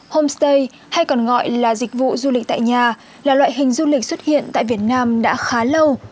homestay hay còn gọi là dịch vụ du lịch tại nhà là loại hình du lịch xuất hiện tại việt nam đã khá lâu